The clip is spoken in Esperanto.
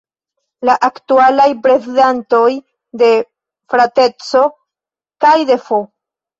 La aktualaj prezidantoj de “Frateco” kaj de “F.